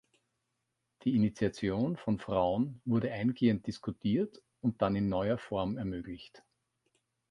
Die Initiation von Frauen wurde eingehend diskutiert und dann in neuer Form ermöglicht.